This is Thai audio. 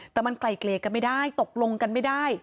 แต่มันไกลเกลียกันไม่ได้ตกลงกันไม่ได้